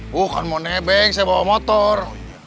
bukan mau nebek saya bawa motor